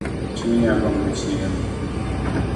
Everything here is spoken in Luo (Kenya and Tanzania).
Chunya gombo chiemo